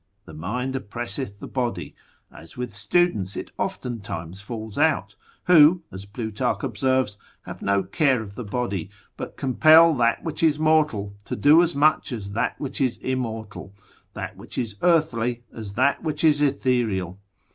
The mind oppresseth the body, as with students it oftentimes falls out, who (as Plutarch observes) have no care of the body, but compel that which is mortal to do as much as that which is immortal: that which is earthly, as that which is ethereal.